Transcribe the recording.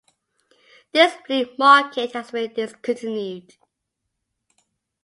This flea market has been discontinued.